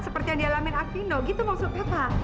seperti yang dialami arvino gitu maksudnya pak